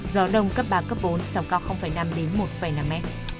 gió đông cấp ba cấp bốn sóng cao năm một năm m